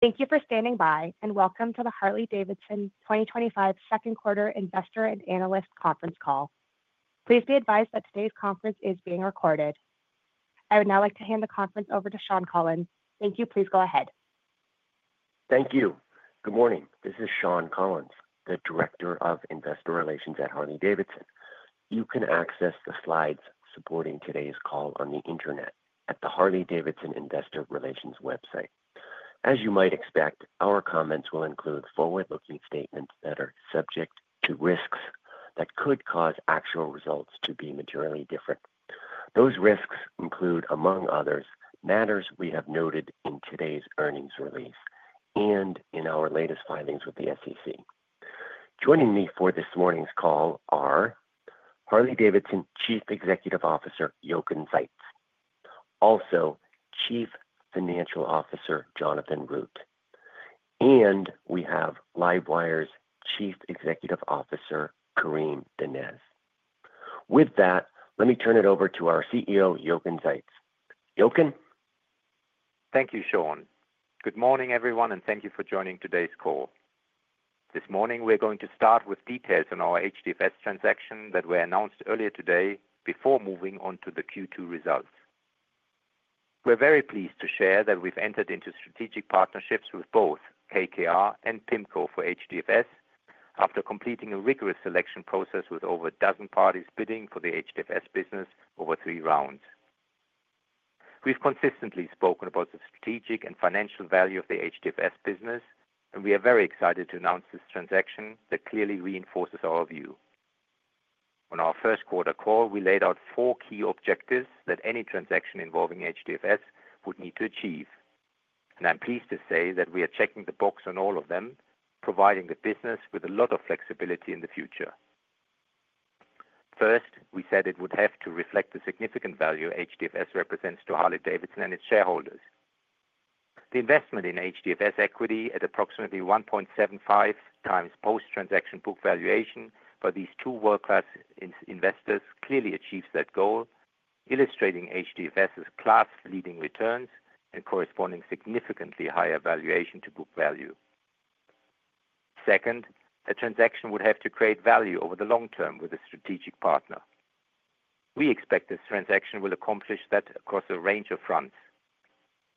Thank you for standing by and welcome to the Harley-Davidson 2025 second quarter investor and analyst conference call. Please be advised that today's conference is being recorded. I would now like to hand the conference over to Shawn Collins. Thank you. Please go ahead. Thank you. Good morning. This is Shawn Collins, the Director of Investor Relations at Harley-Davidson. You can access the slides supporting today's call on the intranet at the Harley-Davidson Investor Relations website. As you might expect, our comments will include forward-looking statements that are subject to risks that could cause actual results to be materially different. Those risks include, among others, matters we have noted in today's earnings release and in our latest filings with the SEC. Joining me for this morning's call are Harley-Davidson Chief Executive Officer Jochen Zeitz, also Chief Financial Officer Jonathan Root, and we have LiveWire's Chief Executive Officer Karim Donnez. With that, let me turn it over to our CEO, Jochen Zeitz. Jochen? Thank you, Shawn. Good morning, everyone, and thank you for joining today's call. This morning, we're going to start with details on our HDFS transaction that were announced earlier today before moving on to the Q2 results. We're very pleased to share that we've entered into strategic partnerships with both KKR and PIMCO for HDFS after completing a rigorous selection process with over a dozen parties bidding for the HDFS business over three rounds. We've consistently spoken about the strategic and financial value of the HDFS business, and we are very excited to announce this transaction that clearly reinforces all of you. On our first quarter call, we laid out four key objectives that any transaction involving HDFS would need to achieve, and I'm pleased to say that we are checking the box on all of them, providing the business with a lot of flexibility in the future. First, we said it would have to reflect the significant value HDFS represents to Harley-Davidson and its shareholders. The investment in HDFS equity at approximately 1.75 times post-transaction book valuation by these two world-class investors clearly achieves that goal, illustrating HDFS's class-leading returns and corresponding significantly higher valuation to book value. Second, a transaction would have to create value over the long term with a strategic partner. We expect this transaction will accomplish that across a range of fronts.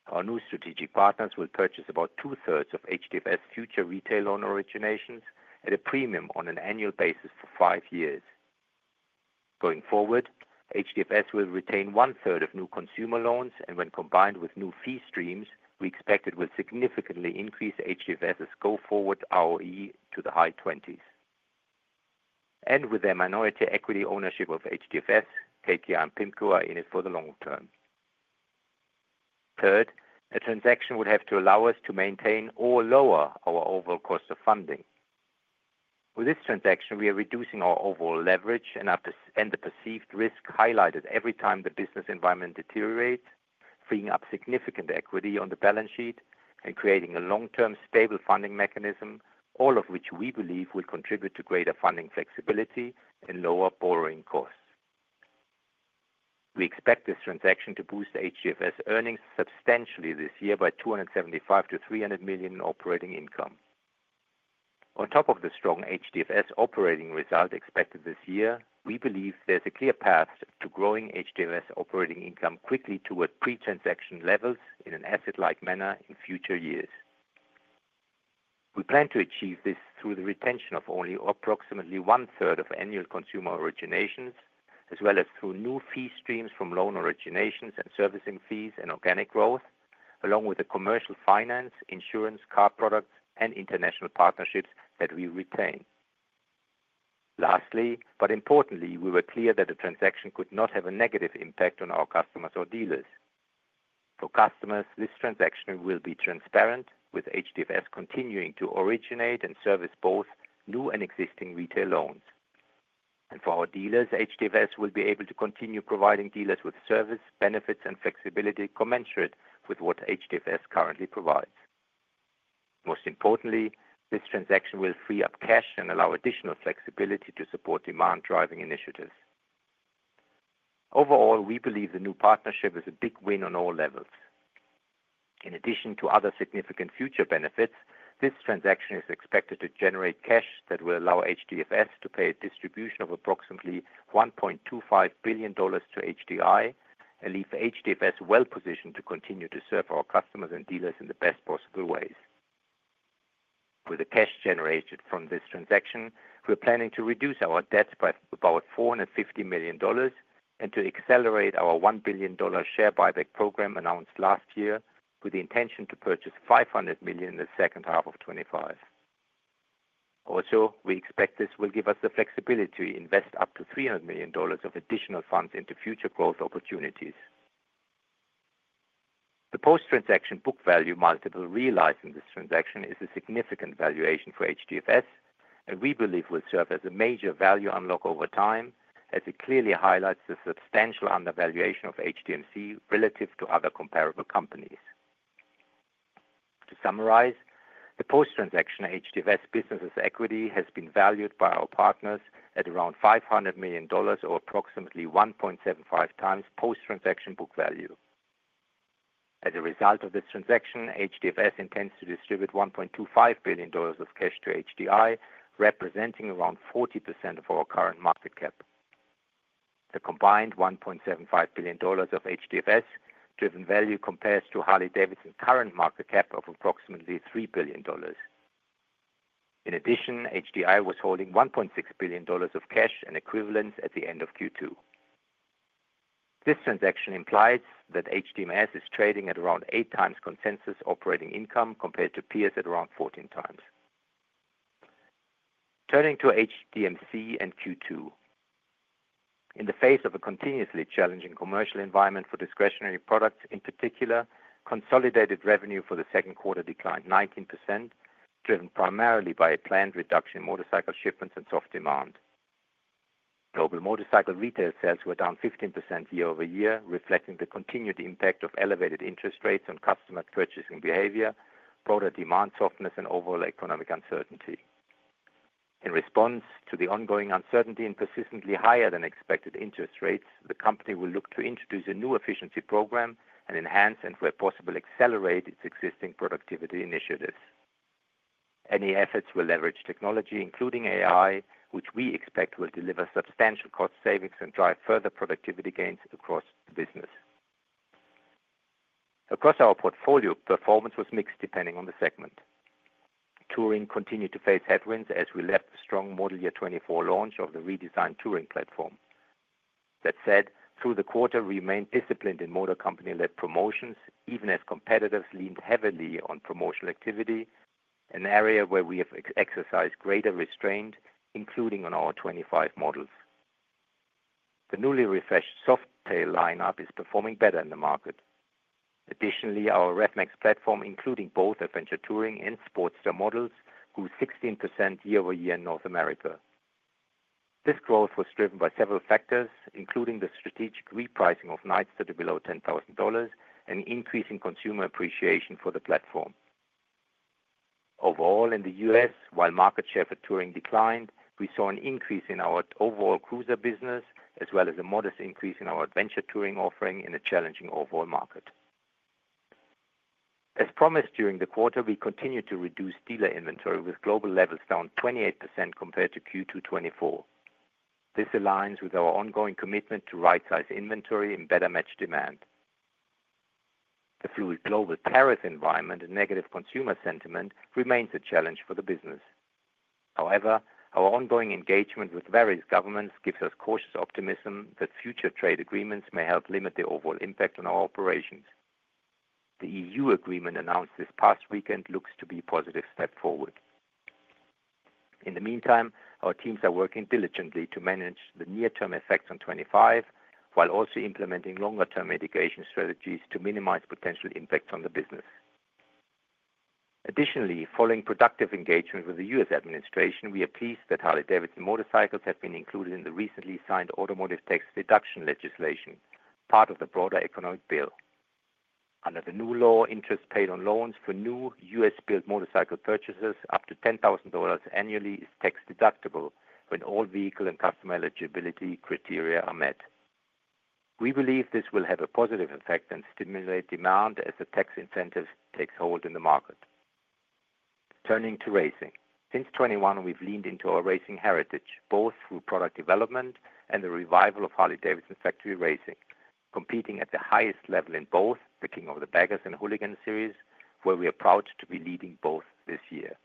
Our new strategic partners will purchase about two-thirds of HDFS future retail loan originations at a premium on an annual basis for five years. Going forward, HDFS will retain one-third of new consumer loans, and when combined with new fee streams, we expect it will significantly increase HDFS's go-forward ROE to the high 20s. With their minority equity ownership of HDFS, KKR and PIMCO are in it for the long term. Third, a transaction would have to allow us to maintain or lower our overall cost of funding. With this transaction, we are reducing our overall leverage and the perceived risk highlighted every time the business environment deteriorates, freeing up significant equity on the balance sheet and creating a long-term stable funding mechanism, all of which we believe will contribute to greater funding flexibility and lower borrowing costs. We expect this transaction to boost HDFS earnings substantially this year by $275 to $300 million in operating income. On top of the strong HDFS operating result expected this year, we believe there's a clear path to growing HDFS operating income quickly toward pre-transaction levels in an asset-light manner in future years. We plan to achieve this through the retention of only approximately one-third of annual consumer originations, as well as through new fee streams from loan originations and servicing fees and organic growth, along with the commercial finance, insurance, car products, and international partnerships that we retain. Lastly, but importantly, we were clear that the transaction could not have a negative impact on our customers or dealers. For customers, this transaction will be transparent, with HDFS continuing to originate and service both new and existing retail loans. For our dealers, HDFS will be able to continue providing dealers with service, benefits, and flexibility commensurate with what HDFS currently provides. Most importantly, this transaction will free up cash and allow additional flexibility to support demand-driving initiatives. Overall, we believe the new partnership is a big win on all levels. In addition to other significant future benefits, this transaction is expected to generate cash that will allow HDFS to pay a distribution of approximately $1.25 billion to HDI and leave HDFS well-positioned to continue to serve our customers and dealers in the best possible ways. With the cash generated from this transaction, we're planning to reduce our debt by about $450 million and to accelerate our $1 billion share buyback program announced last year with the intention to purchase $500 million in the second half of 2025. We expect this will give us the flexibility to invest up to $300 million of additional funds into future growth opportunities. The post-transaction book value multiple realized in this transaction is a significant valuation for HDFS, and we believe it will serve as a major value unlock over time as it clearly highlights the substantial undervaluation of HDMC relative to other comparable companies. To summarize, the post-transaction HDFS business's equity has been valued by our partners at around $500 million or approximately 1.75 times post-transaction book value. As a result of this transaction, HDFS intends to distribute $1.25 billion of cash to HDI, representing around 40% of our current market cap. The combined $1.75 billion of HDFS driven value compares to Harley-Davidson's current market cap of approximately $3 billion. In addition, HDI was holding $1.6 billion of cash and equivalents at the end of Q2. This transaction implies that HDMC is trading at around eight times consensus operating income compared to peers at around 14 times. Turning to HDMC and Q2, in the face of a continuously challenging commercial environment for discretionary products in particular, consolidated revenue for the second quarter declined 19%, driven primarily by a planned reduction in motorcycle shipments and soft demand. Global motorcycle retail sales were down 15% year over year, reflecting the continued impact of elevated interest rates on customer purchasing behavior, broader demand softness, and overall economic uncertainty. In response to the ongoing uncertainty and persistently higher than expected interest rates, the company will look to introduce a new efficiency program and enhance and, where possible, accelerate its existing productivity initiatives. Any efforts will leverage technology, including AI, which we expect will deliver substantial cost savings and drive further productivity gains across the business. Across our portfolio, performance was mixed depending on the segment. Touring continued to face headwinds as we left a strong model year 2024 launch of the redesigned Touring platform. That said, through the quarter, we remained disciplined in motor company-led promotions, even as competitors leaned heavily on promotional activity, an area where we have exercised greater restraint, including on our 2025 models. The newly refreshed Softail lineup is performing better in the market. Additionally, our RevMax platform, including both Adventure Touring and Sportster models, grew 16% year over year in North America. This growth was driven by several factors, including the strategic repricing of Knights to below $10,000 and an increase in consumer appreciation for the platform. Overall, in the U.S., while market share for Touring declined, we saw an increase in our overall cruiser business, as well as a modest increase in our Adventure Touring offering in a challenging overall market. As promised during the quarter, we continued to reduce dealer inventory with global levels down 28% compared to Q2 2024. This aligns with our ongoing commitment to right-size inventory and better match demand. The fluid global tariff environment and negative consumer sentiment remains a challenge for the business. However, our ongoing engagement with various governments gives us cautious optimism that future trade agreements may help limit the overall impact on our operations. The EU agreement announced this past weekend looks to be a positive step forward. In the meantime, our teams are working diligently to manage the near-term effects on 2025, while also implementing longer-term mitigation strategies to minimize potential impacts on the business. Additionally, following productive engagement with the U.S. administration, we are pleased that Harley-Davidson motorcycles have been included in the recently signed automotive tax deduction legislation, part of the broader economic bill. Under the new law, interest paid on loans for new U.S.-built motorcycle purchases up to $10,000 annually is tax deductible when all vehicle and customer eligibility criteria are met. We believe this will have a positive effect and stimulate demand as the tax incentive takes hold in the market. Turning to racing. Since 2021, we've leaned into our racing heritage, both through product development and the revival of Harley-Davidson factory racing, competing at the highest level in both the King of the Baggers and Hooligan series, where we are proud to be leading both this year.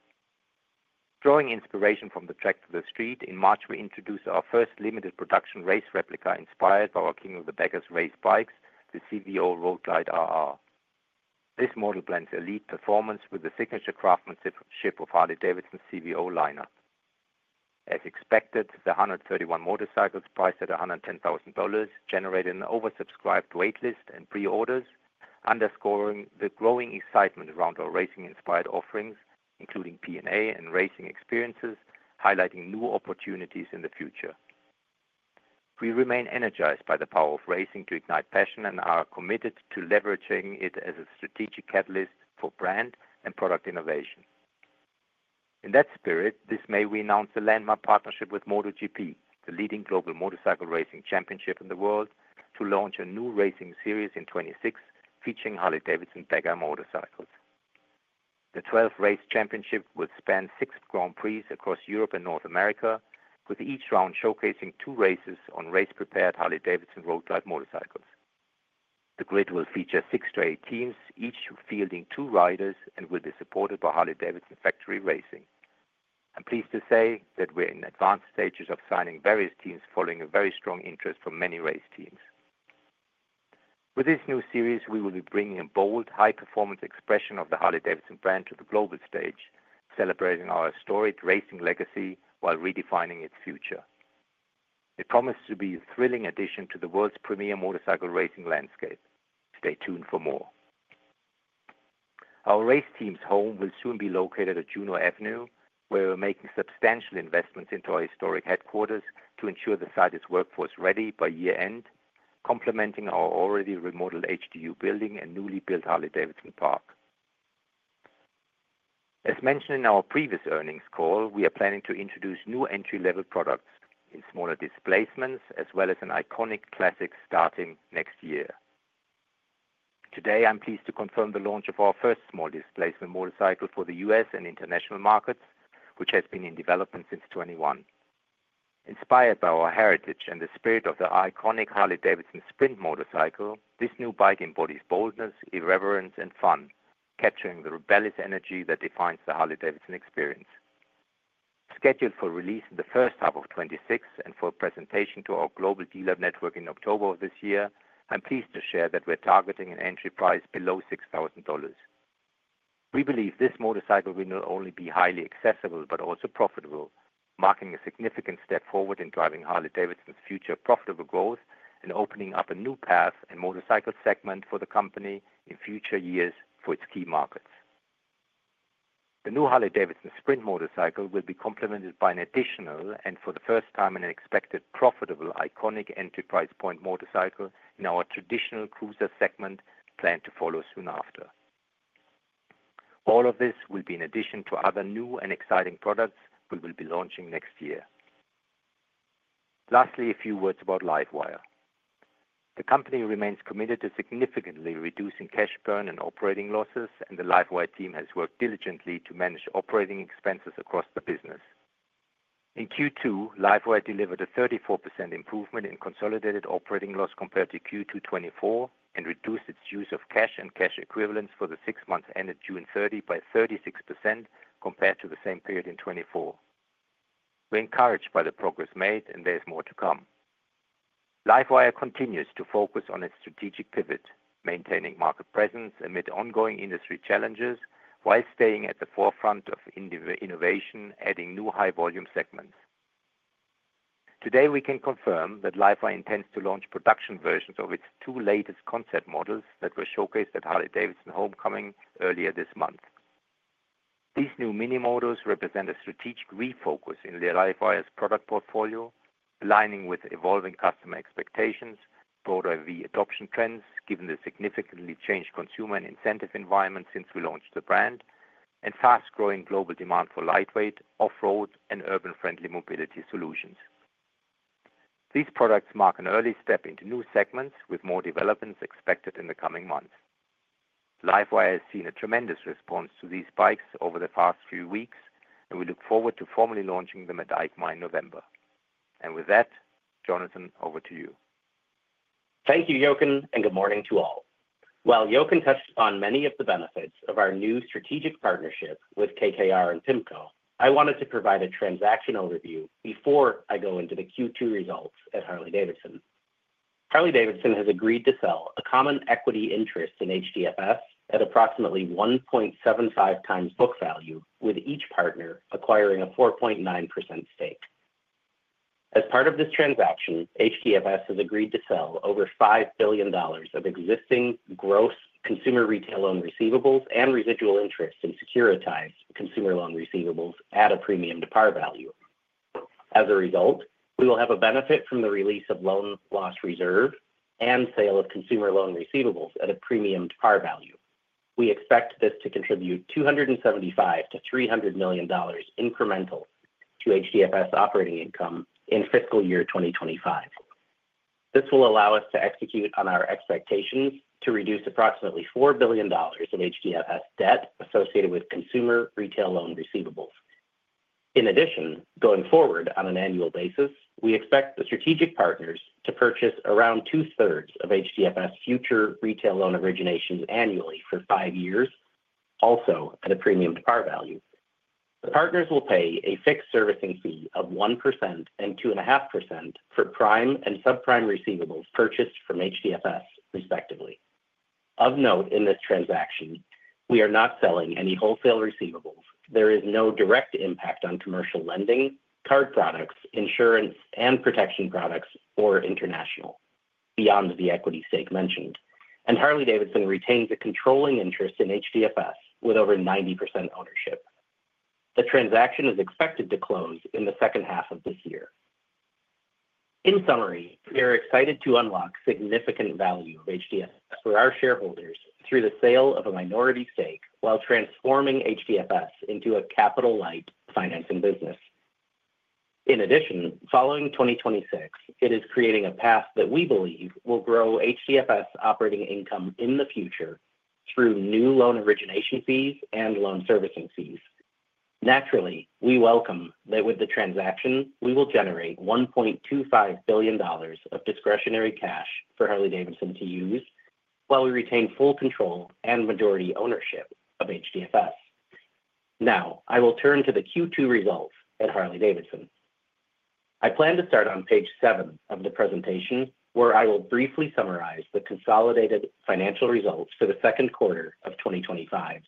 Drawing inspiration from the track to the street, in March, we introduced our first limited production race replica inspired by our King of the Baggers race bikes, the CVO Road Glide RR. This model blends elite performance with the signature craftsmanship of Harley-Davidson's CVO lineup. As expected, the 131 motorcycles priced at $110,000 generated an oversubscribed waitlist and pre-orders, underscoring the growing excitement around our racing-inspired offerings, including P&A and racing experiences, highlighting new opportunities in the future. We remain energized by the power of racing to ignite passion and are committed to leveraging it as a strategic catalyst for brand and product innovation. In that spirit, this May, we announced a landmark partnership with MotoGP, the leading global motorcycle racing championship in the world, to launch a new racing series in 2026 featuring Harley-Davidson bagger motorcycles. The 12th race championship will span six Grand Prix across Europe and North America, with each round showcasing two races on race-prepared Harley-Davidson Road Glide motorcycles. The grid will feature six to eight teams, each fielding two riders, and will be supported by Harley-Davidson factory racing. I'm pleased to say that we're in advanced stages of signing various teams following a very strong interest from many race teams. With this new series, we will be bringing a bold, high-performance expression of the Harley-Davidson brand to the global stage, celebrating our historic racing legacy while redefining its future. It promises to be a thrilling addition to the world's premier motorcycle racing landscape. Stay tuned for more. Our race team's home will soon be located at Juno Avenue, where we're making substantial investments into our historic headquarters to ensure the site is workforce-ready by year-end, complementing our already remodeled HGU building and newly built Harley-Davidson Park. As mentioned in our previous earnings call, we are planning to introduce new entry-level products in smaller displacements, as well as an iconic classic starting next year. Today, I'm pleased to confirm the launch of our first small displacement motorcycle for the U.S. and international markets, which has been in development since 2021. Inspired by our heritage and the spirit of the iconic Harley-Davidson Sprint motorcycle, this new bike embodies boldness, irreverence, and fun, capturing the rebellious energy that defines the Harley-Davidson experience. Scheduled for release in the first half of 2026 and for a presentation to our global dealer network in October of this year, I'm pleased to share that we're targeting an entry price below $6,000. We believe this motorcycle will not only be highly accessible but also profitable, marking a significant step forward in driving Harley-Davidson's future profitable growth and opening up a new path and motorcycle segment for the company in future years for its key markets. The new Harley-Davidson Sprint motorcycle will be complemented by an additional and, for the first time in an expected, profitable, iconic entry price point motorcycle in our traditional cruiser segment planned to follow soon after. All of this will be in addition to other new and exciting products we will be launching next year. Lastly, a few words about LiveWire. The company remains committed to significantly reducing cash burn and operating losses, and the LiveWire team has worked diligently to manage operating expenses across the business. In Q2, LiveWire delivered a 34% improvement in consolidated operating loss compared to Q2 2024 and reduced its use of cash and cash equivalents for the six months ended June 30 by 36% compared to the same period in 2024. We're encouraged by the progress made, and there's more to come. LiveWire continues to focus on its strategic pivot, maintaining market presence amid ongoing industry challenges while staying at the forefront of innovation, adding new high-volume segments. Today, we can confirm that LiveWire intends to launch production versions of its two latest concept models that were showcased at Harley-Davidson Homecoming earlier this month. These new mini models represent a strategic refocus in LiveWire's product portfolio, aligning with evolving customer expectations, broader EV adoption trends given the significantly changed consumer and incentive environment since we launched the brand, and fast-growing global demand for lightweight, off-road, and urban-friendly mobility solutions. These products mark an early step into new segments with more developments expected in the coming months. LiveWire has seen a tremendous response to these bikes over the past few weeks, and we look forward to formally launching them at EICMA in November. Jonathan, over to you. Thank you, Jochen, and good morning to all. While Jochen touched on many of the benefits of our new strategic partnership with KKR and PIMCO, I wanted to provide a transaction overview before I go into the Q2 results at Harley-Davidson. Harley-Davidson has agreed to sell a common equity interest in HDFS at approximately 1.75 times book value, with each partner acquiring a 4.9% stake. As part of this transaction, HDFS has agreed to sell over $5 billion of existing gross consumer retail loan receivables and residual interest in securitized consumer loan receivables at a premium to par value. As a result, we will have a benefit from the release of loan loss reserve and sale of consumer loan receivables at a premium to par value. We expect this to contribute $275 to $300 million incremental to HDFS operating income in fiscal year 2025. This will allow us to execute on our expectations to reduce approximately $4 billion of HDFS debt associated with consumer retail loan receivables. In addition, going forward on an annual basis, we expect the strategic partners to purchase around two-thirds of HDFS future retail loan originations annually for five years, also at a premium to par value. The partners will pay a fixed servicing fee of 1% and 2.5% for prime and subprime receivables purchased from HDFS, respectively. Of note, in this transaction, we are not selling any wholesale receivables. There is no direct impact on commercial lending, card products, insurance, and protection products or international beyond the equity stake mentioned. Harley-Davidson retains a controlling interest in HDFS with over 90% ownership. The transaction is expected to close in the second half of this year. In summary, we are excited to unlock significant value of HDFS for our shareholders through the sale of a minority stake while transforming HDFS into a capital-light financing business. In addition, following 2026, it is creating a path that we believe will grow HDFS operating income in the future through new loan origination fees and loan servicing fees. Naturally, we welcome that with the transaction, we will generate $1.25 billion of discretionary cash for Harley-Davidson to use while we retain full control and majority ownership of HDFS. Now, I will turn to the Q2 results at Harley-Davidson. I plan to start on page seven of the presentation where I will briefly summarize the consolidated financial results for the second quarter of 2025.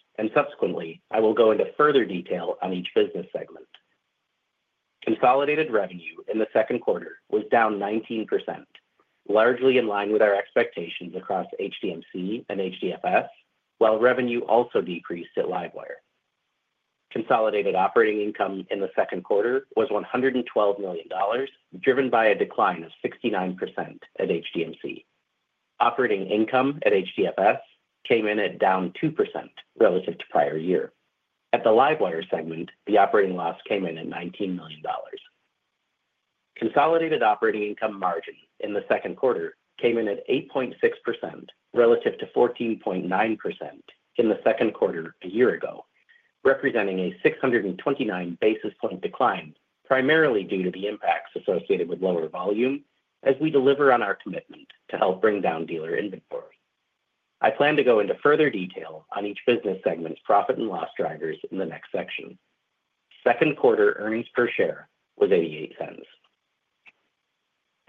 I will go into further detail on each business segment. Consolidated revenue in the second quarter was down 19%, largely in line with our expectations across HDMC and HDFS, while revenue also decreased at LiveWire. Consolidated operating income in the second quarter was $112 million, driven by a decline of 69% at HDMC. Operating income at HDFS came in at down 2% relative to prior year. At the LiveWire segment, the operating loss came in at $19 million. Consolidated operating income margin in the second quarter came in at 8.6% relative to 14.9% in the second quarter a year ago, representing a 629 basis point decline, primarily due to the impacts associated with lower volume as we deliver on our commitment to help bring down dealer inventory. I plan to go into further detail on each business segment's profit and loss drivers in the next section. Second quarter earnings per share was $0.88.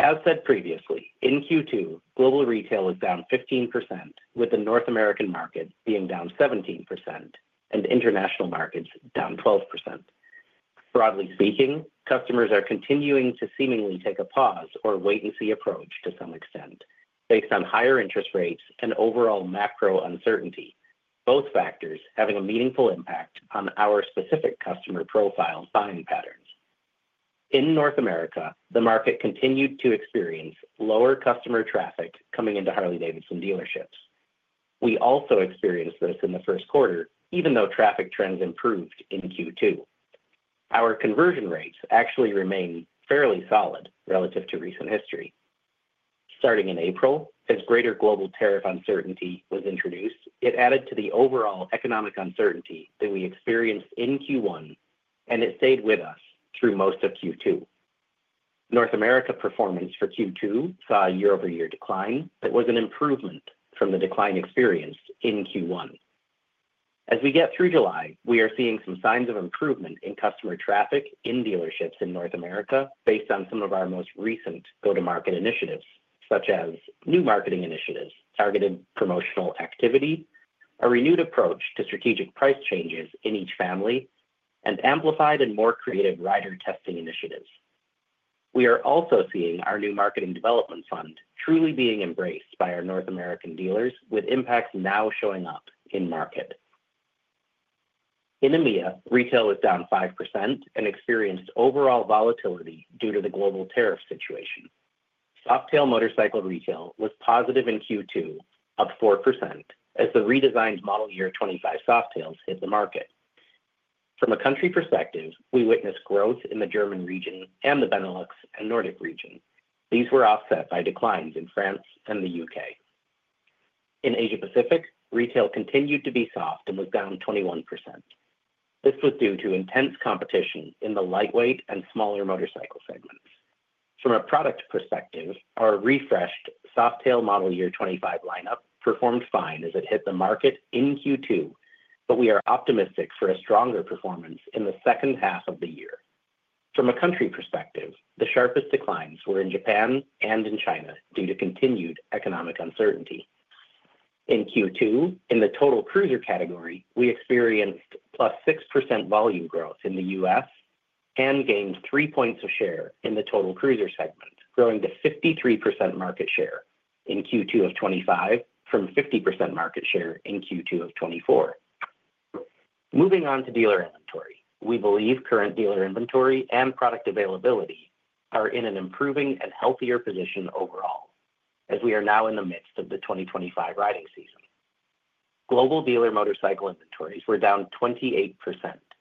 As said previously, in Q2, global retail was down 15%, with the North American market being down 17% and international markets down 12%. Broadly speaking, customers are continuing to seemingly take a pause or wait-and-see approach to some extent based on higher interest rates and overall macro uncertainty, both factors having a meaningful impact on our specific customer profile buying patterns. In North America, the market continued to experience lower customer traffic coming into Harley-Davidson dealerships. We also experienced this in the first quarter, even though traffic trends improved in Q2. Our conversion rates actually remain fairly solid relative to recent history. Starting in April, as greater global tariff uncertainty was introduced, it added to the overall economic uncertainty that we experienced in Q1, and it stayed with us through most of Q2. North America performance for Q2 saw a year-over-year decline, but was an improvement from the decline experienced in Q1. As we get through July, we are seeing some signs of improvement in customer traffic in dealerships in North America based on some of our most recent go-to-market initiatives, such as new marketing initiatives, targeted promotional activity, a renewed approach to strategic price changes in each family, and amplified and more creative rider testing initiatives. We are also seeing our new marketing development fund truly being embraced by our North American dealers, with impacts now showing up in market. In EMEA, retail was down 5% and experienced overall volatility due to the global tariff situation. Softail motorcycle retail was positive in Q2, up 4%, as the redesigned model year 2025 Softail models hit the market. From a country perspective, we witnessed growth in the German region and the Benelux and Nordic region. These were offset by declines in France and the UK. In Asia-Pacific, retail continued to be soft and was down 21%. This was due to intense competition in the lightweight and smaller motorcycle segments. From a product perspective, our refreshed Softail model year 2025 lineup performed fine as it hit the market in Q2, but we are optimistic for a stronger performance in the second half of the year. From a country perspective, the sharpest declines were in Japan and in China due to continued economic uncertainty. In Q2, in the total cruiser category, we experienced 6% volume growth in the U.S. and gained three points of share in the total cruiser segment, growing to 53% market share in Q2 of 2025 from 50% market share in Q2 of 2024. Moving on to dealer inventory, we believe current dealer inventory and product availability are in an improving and healthier position overall, as we are now in the midst of the 2025 riding season. Global dealer motorcycle inventories were down 28%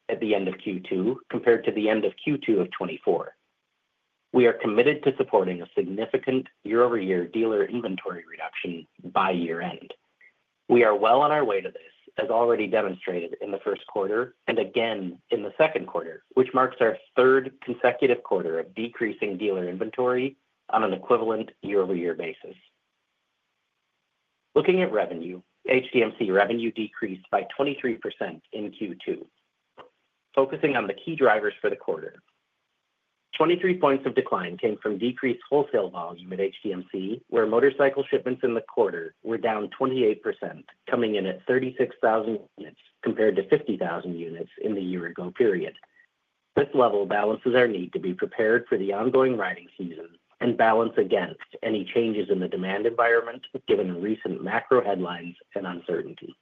at the end of Q2 compared to the end of Q2 of 2024. We are committed to supporting a significant year-over-year dealer inventory reduction by year-end. We are well on our way to this, as already demonstrated in the first quarter and again in the second quarter, which marks our third consecutive quarter of decreasing dealer inventory on an equivalent year-over-year basis. Looking at revenue, HDMC revenue decreased by 23% in Q2. Focusing on the key drivers for the quarter, 23 points of decline came from decreased wholesale volume at HDMC, where motorcycle shipments in the quarter were down 28%, coming in at 36,000 units compared to 50,000 units in the year-ago period. This level balances our need to be prepared for the ongoing riding season and balance against any changes in the demand environment, given recent macro headlines and uncertainty.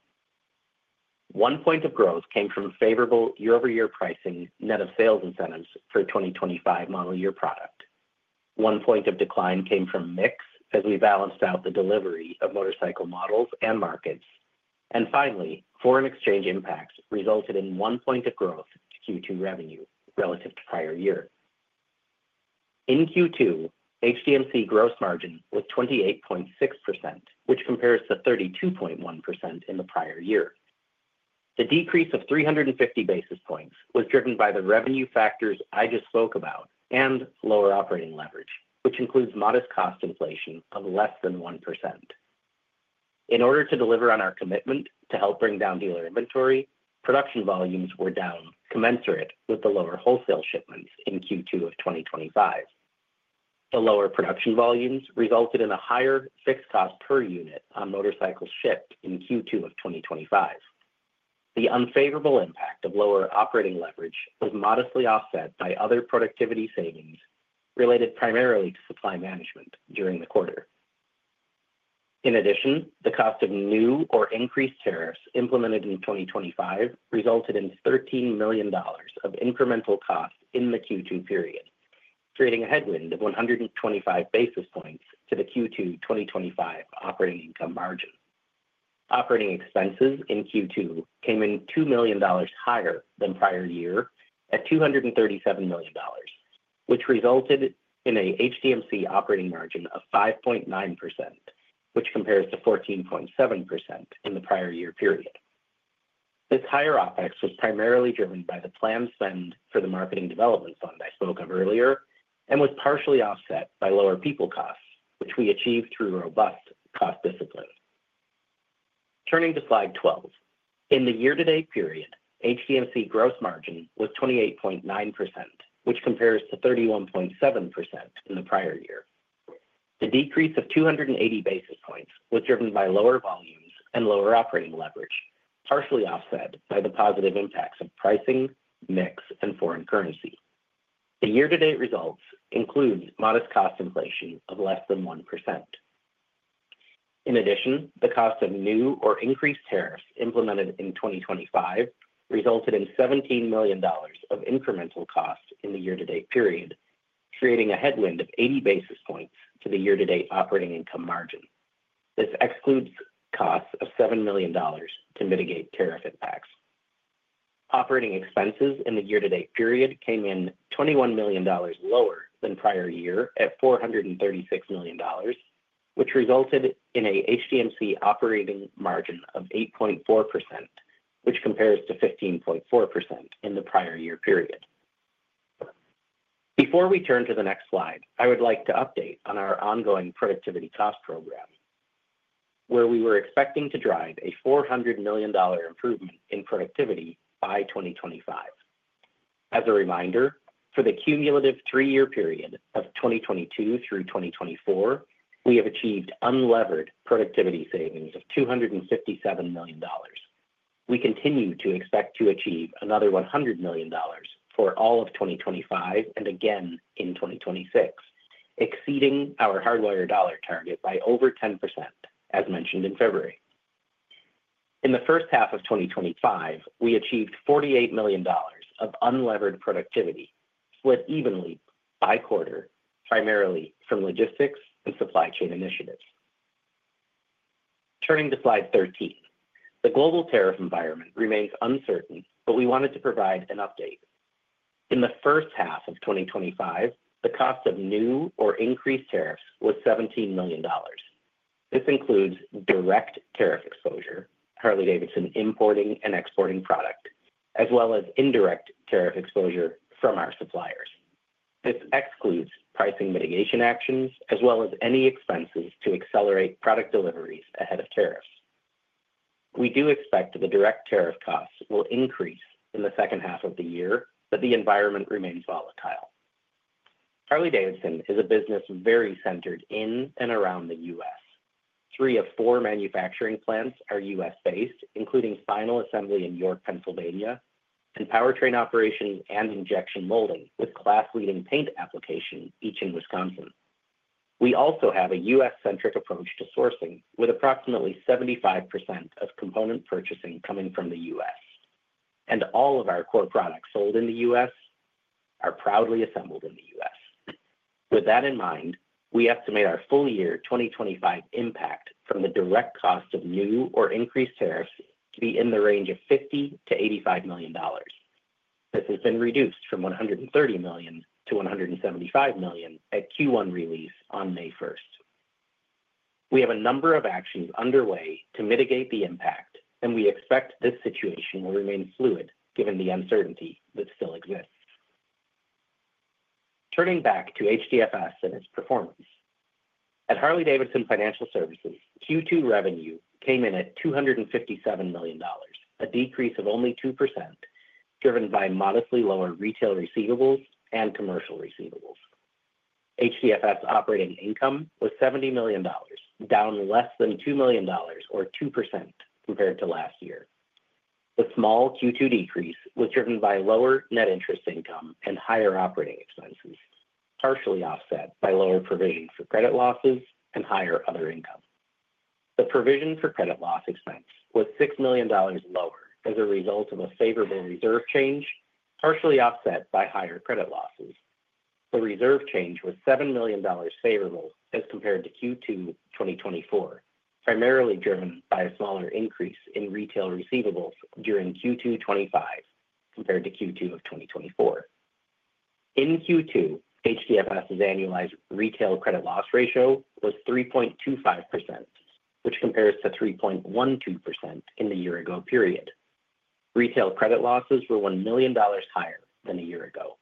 One point of growth came from favorable year-over-year pricing net of sales incentives for 2025 model year product. One point of decline came from mix as we balanced out the delivery of motorcycle models and markets. Finally, foreign exchange impacts resulted in one point of growth to Q2 revenue relative to prior year. In Q2, HDMC gross margin was 28.6%, which compares to 32.1% in the prior year. The decrease of 350 basis points was driven by the revenue factors I just spoke about and lower operating leverage, which includes modest cost inflation of less than 1%. In order to deliver on our commitment to help bring down dealer inventory, production volumes were down commensurate with the lower wholesale shipments in Q2 of 2025. The lower production volumes resulted in a higher fixed cost per unit on motorcycles shipped in Q2 of 2025. The unfavorable impact of lower operating leverage was modestly offset by other productivity savings related primarily to supply management during the quarter. In addition, the cost of new or increased tariffs implemented in 2025 resulted in $13 million of incremental cost in the Q2 period, creating a headwind of 125 basis points to the Q2 2025 operating income margin. Operating expenses in Q2 came in $2 million higher than prior year at $237 million, which resulted in an HDMC operating margin of 5.9%, which compares to 14.7% in the prior year period. This higher OpEx was primarily driven by the planned spend for the marketing development fund I spoke of earlier and was partially offset by lower people costs, which we achieved through robust cost discipline. Turning to slide 12. In the year-to-date period, HDMC gross margin was 28.9%, which compares to 31.7% in the prior year. The decrease of 280 basis points was driven by lower volumes and lower operating leverage, partially offset by the positive impacts of pricing, mix, and foreign currency. The year-to-date results include modest cost inflation of less than 1%. In addition, the cost of new or increased tariffs implemented in 2025 resulted in $17 million of incremental cost in the year-to-date period, creating a headwind of 80 basis points to the year-to-date operating income margin. This excludes costs of $7 million to mitigate tariff impacts. Operating expenses in the year-to-date period came in $21 million lower than prior year at $436 million, which resulted in an HDMC operating margin of 8.4%, which compares to 15.4% in the prior year period. Before we turn to the next slide, I would like to update on our ongoing productivity cost program, where we were expecting to drive a $400 million improvement in productivity by 2025. As a reminder, for the cumulative three-year period of 2022 through 2024, we have achieved unlevered productivity savings of $257 million. We continue to expect to achieve another $100 million for all of 2025 and again in 2026, exceeding our Hardwire dollar target by over 10%, as mentioned in February. In the first half of 2025, we achieved $48 million of unlevered productivity, split evenly by quarter, primarily from logistics and supply chain initiatives. Turning to slide 13. The global tariff environment remains uncertain, but we wanted to provide an update. In the first half of 2025, the cost of new or increased tariffs was $17 million. This includes direct tariff exposure, Harley-Davidson importing and exporting product, as well as indirect tariff exposure from our suppliers. This excludes pricing mitigation actions, as well as any expenses to accelerate product deliveries ahead of tariffs. We do expect that the direct tariff costs will increase in the second half of the year, but the environment remains volatile. Harley-Davidson is a business very centered in and around the U.S. Three of four manufacturing plants are U.S.-based, including final assembly in York, Pennsylvania, and powertrain operations and injection molding with class-leading paint application, each in Wisconsin. We also have a U.S.-centric approach to sourcing, with approximately 75% of component purchasing coming from the U.S. All of our core products sold in the U.S. are proudly assembled in the U.S. With that in mind, we estimate our full year 2025 impact from the direct cost of new or increased tariffs to be in the range of $50 to $85 million. This has been reduced from $130 million to $175 million at Q1 release on May 1. We have a number of actions underway to mitigate the impact, and we expect this situation will remain fluid, given the uncertainty that still exists. Turning back to HDFS and its performance. At Harley-Davidson Financial Services, Q2 revenue came in at $257 million, a decrease of only 2%, driven by modestly lower retail receivables and commercial receivables. HDFS operating income was $70 million, down less than $2 million or 2% compared to last year. The small Q2 decrease was driven by lower net interest income and higher operating expenses, partially offset by lower provisions for credit losses and higher other income. The provision for credit loss expense was $6 million lower as a result of a favorable reserve change, partially offset by higher credit losses. The reserve change was $7 million favorable as compared to Q2 2024, primarily driven by a smaller increase in retail receivables during Q2 2025 compared to Q2 2024. In Q2, HDFS's annualized retail credit loss ratio was 3.25%, which compares to 3.12% in the year-ago period. Retail credit losses were $1 million higher than a year ago.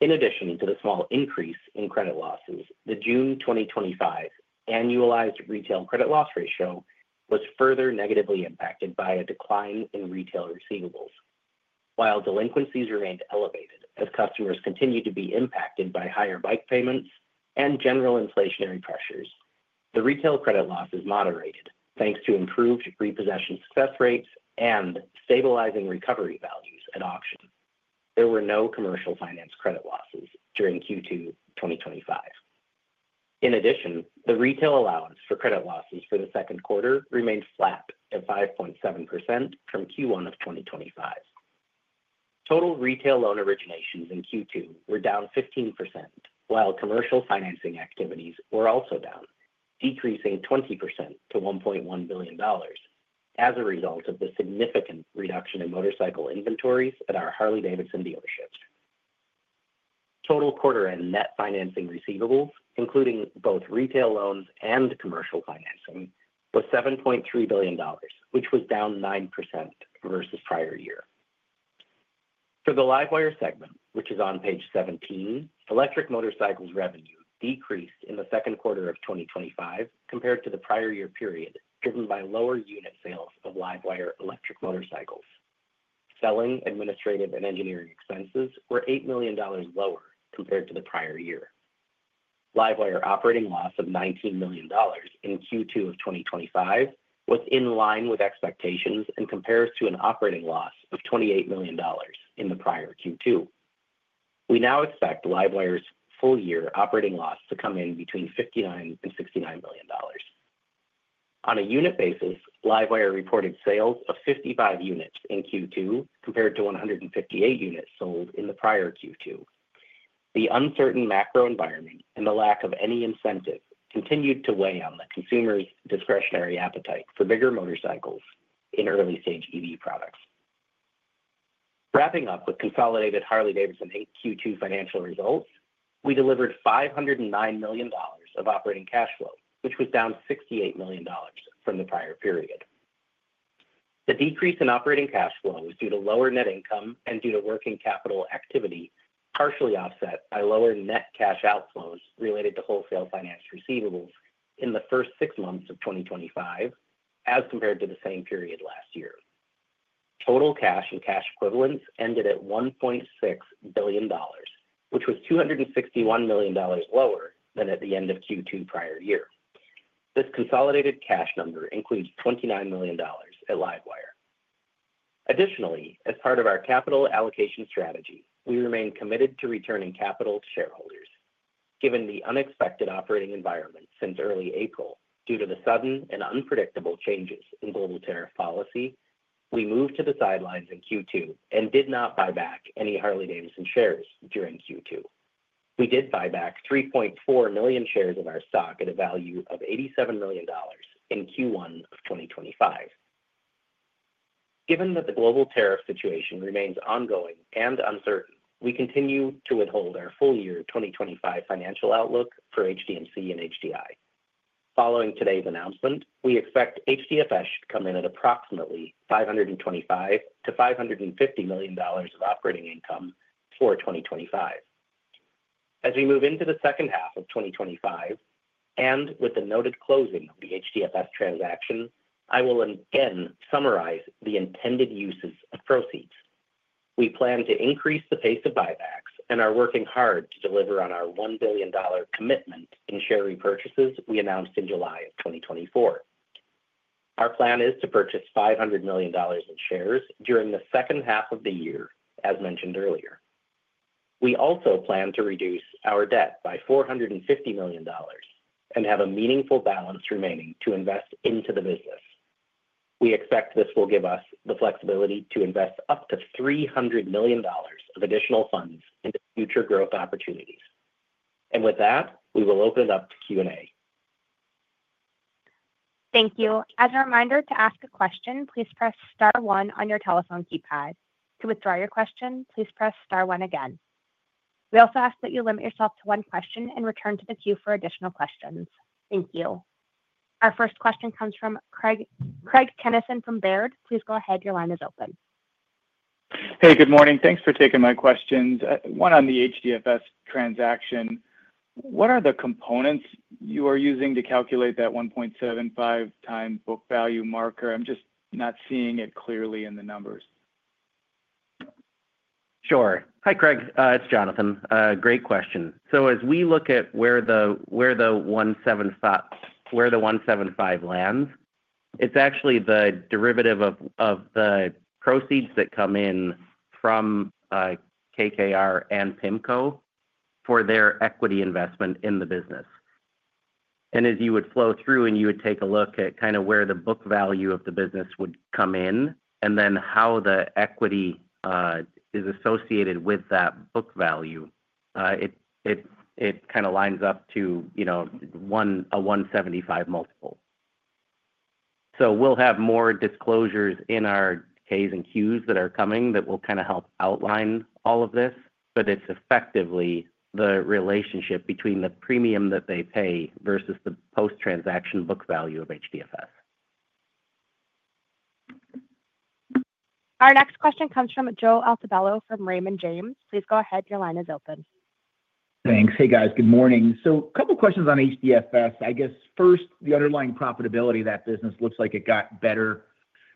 In addition to the small increase in credit losses, the June 2025 annualized retail credit loss ratio was further negatively impacted by a decline in retail receivables. While delinquencies remained elevated as customers continued to be impacted by higher bike payments and general inflationary pressures, the retail credit loss is moderated thanks to improved repossession success rates and stabilizing recovery values at auction. There were no commercial finance credit losses during Q2 2025. In addition, the retail allowance for credit losses for the second quarter remained flat at 5.7% from Q1 2025. Total retail loan originations in Q2 were down 15%, while commercial financing activities were also down, decreasing 20% to $1.1 billion as a result of the significant reduction in motorcycle inventories at our Harley-Davidson dealerships. Total quarter-end net financing receivables, including both retail loans and commercial financing, was $7.3 billion, which was down 9% versus prior year. For the LiveWire segment, which is on page 17, electric motorcycles revenue decreased in the second quarter of 2025 compared to the prior year period, driven by lower unit sales of LiveWire electric motorcycles. Selling, administrative, and engineering expenses were $8 million lower compared to the prior year. LiveWire operating loss of $19 million in Q2 2025 was in line with expectations and compares to an operating loss of $28 million in the prior Q2. We now expect LiveWire's full-year operating loss to come in between $59 and $69 million. On a unit basis, LiveWire reported sales of 55 units in Q2 compared to 158 units sold in the prior Q2. The uncertain macro environment and the lack of any incentive continued to weigh on the consumer's discretionary appetite for bigger motorcycles in early-stage EV products. Wrapping up with consolidated Harley-Davidson Q2 financial results, we delivered $509 million of operating cash flow, which was down $68 million from the prior period. The decrease in operating cash flow was due to lower net income and due to working capital activity, partially offset by lower net cash outflows related to wholesale finance receivables in the first six months of 2025 as compared to the same period last year. Total cash and cash equivalents ended at $1.6 billion, which was $261 million lower than at the end of Q2 prior year. This consolidated cash number includes $29 million at LiveWire. Additionally, as part of our capital allocation strategy, we remain committed to returning capital to shareholders. Given the unexpected operating environment since early April due to the sudden and unpredictable changes in global tariff policy, we moved to the sidelines in Q2 and did not buy back any Harley-Davidson shares during Q2. We did buy back 3.4 million shares of our stock at a value of $87 million in Q1 of 2025. Given that the global tariff situation remains ongoing and uncertain, we continue to withhold our full-year 2025 financial outlook for HDMC and HDI. Following today's announcement, we expect HDFS should come in at approximately $525 to $550 million of operating income for 2025. As we move into the second half of 2025 and with the noted closing of the HDFS transaction, I will again summarize the intended uses of proceeds. We plan to increase the pace of buybacks and are working hard to deliver on our $1 billion commitment in share repurchases we announced in July of 2024. Our plan is to purchase $500 million in shares during the second half of the year, as mentioned earlier. We also plan to reduce our debt by $450 million and have a meaningful balance remaining to invest into the business. We expect this will give us the flexibility to invest up to $300 million of additional funds into future growth opportunities. With that, we will open it up to Q&A. Thank you. As a reminder, to ask a question, please press star one on your telephone keypad. To withdraw your question, please press star one again. We also ask that you limit yourself to one question and return to the queue for additional questions. Thank you. Our first question comes from Craig R. Kennison from Baird. Please go ahead. Your line is open. Hey, good morning. Thanks for taking my questions. One on the HDFS transaction. What are the components you are using to calculate that 1.75 times book value marker? I'm just not seeing it clearly in the numbers. Sure. Hi, Craig. It's Jonathan. Great question. As we look at where the 1.75 lands, it's actually the derivative of the proceeds that come in from KKR and PIMCO for their equity investment in the business. As you would flow through and take a look at kind of where the book value of the business would come in and then how the equity is associated with that book value, it kind of lines up to a 1.75 multiple. We will have more disclosures in our Ks and Qs that are coming that will help outline all of this, but it's effectively the relationship between the premium that they pay versus the post-transaction book value of HDFS. Our next question comes from Joseph Nicholas Altobello from Raymond James. Please go ahead. Your line is open. Thanks. Good morning. A couple of questions on HDFS. First, the underlying profitability of that business looks like it got better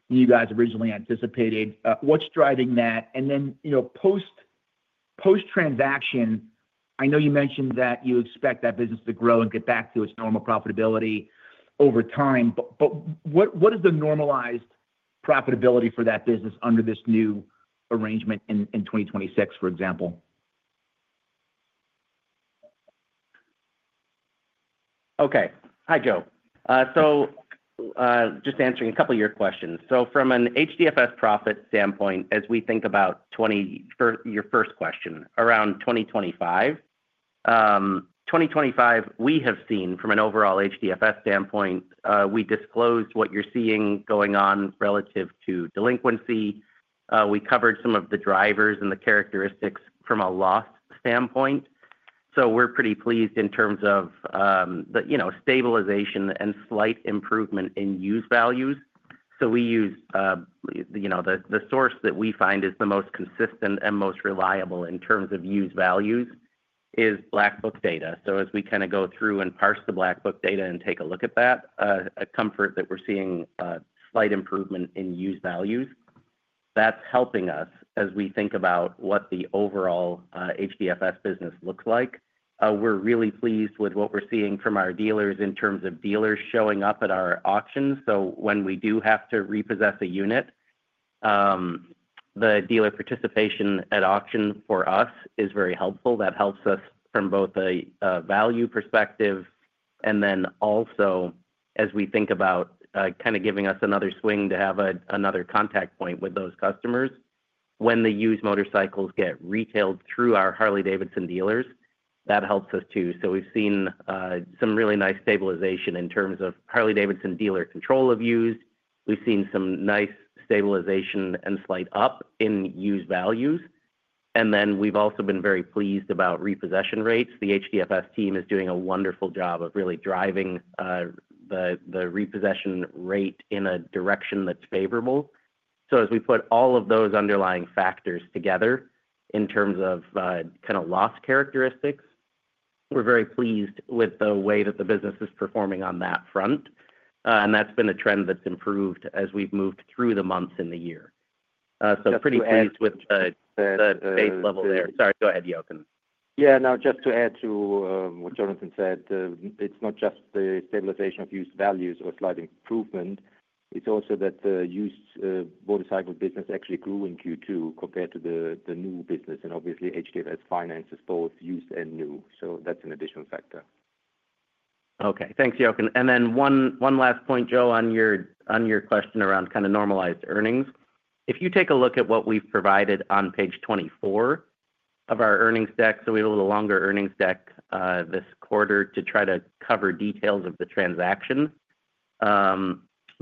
than you guys originally anticipated. What's driving that? You mentioned that you expect that business to grow and get back to its normal profitability over time, but what is the normalized profitability for that business under this new arrangement in 2026, for example? Okay. Hi, Joe. Just answering a couple of your questions. From an HDFS profit standpoint, as we think about your first question around 2025, we have seen from an overall HDFS standpoint, we disclosed what you're seeing going on relative to delinquency. We covered some of the drivers and the characteristics from a loss standpoint. We're pretty pleased in terms of the stabilization and slight improvement in used values. We use the source that we find is the most consistent and most reliable in terms of used values, which is Black Book Data. As we go through and parse the Black Book Data and take a look at that, a comfort that we're seeing is a slight improvement in used values. That's helping us as we think about what the overall HDFS business looks like. We're really pleased with what we're seeing from our dealers in terms of dealers showing up at our auctions. When we do have to repossess a unit, the dealer participation at auction for us is very helpful. That helps us from both a value perspective and also as we think about giving us another swing to have another contact point with those customers. When the used motorcycles get retailed through our Harley-Davidson dealers, that helps us too. We've seen some really nice stabilization in terms of Harley-Davidson dealer control of used. We've seen some nice stabilization and slight up in used values. We've also been very pleased about repossession rates. The HDFS team is doing a wonderful job of really driving the repossession rate in a direction that's favorable. As we put all of those underlying factors together in terms of loss characteristics, we're very pleased with the way that the business is performing on that front. That's been a trend that's improved as we've moved through the months in the year. Pretty pleased with the base level there. Sorry. Go ahead, Jochen. Yeah. Just to add to what Jonathan said, it's not just the stabilization of used values or slight improvement. It's also that the used motorcycle business actually grew in Q2 compared to the new business. Obviously, HDFS finances both used and new. That's an additional factor. Okay. Thanks, Jochen. One last point, Joe, on your question around kind of normalized earnings. If you take a look at what we've provided on page 24 of our earnings deck, we have a little longer earnings deck this quarter to try to cover details of the transaction.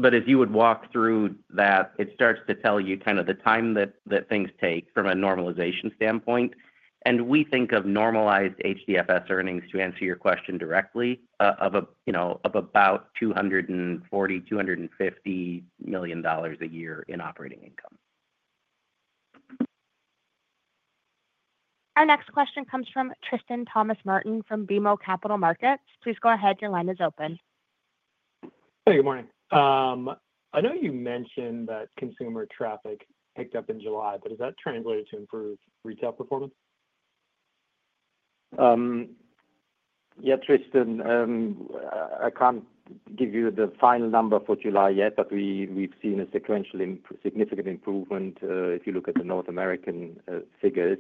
As you would walk through that, it starts to tell you the time that things take from a normalization standpoint. We think of normalized HDFS earnings, to answer your question directly, of about $240 to $250 million a year in operating income. Our next question comes from Tristan M. Thomas-Martin from BMO Capital Markets. Please go ahead. Your line is open. Hey, good morning. I know you mentioned that consumer traffic picked up in July, but has that translated to improved retail performance? Yeah. Tristan, I can't give you the final number for July yet, but we've seen a sequential significant improvement if you look at the North American figures.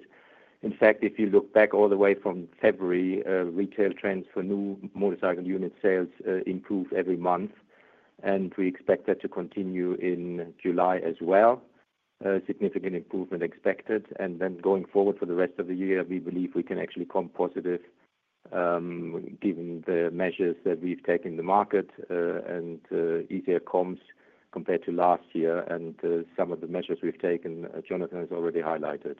In fact, if you look back all the way from February, retail trends for new motorcycle unit sales improved every month. We expect that to continue in July as well. A significant improvement is expected. Going forward for the rest of the year, we believe we can actually come positive given the measures that we've taken in the market and easier comps compared to last year and some of the measures we've taken, Jonathan has already highlighted.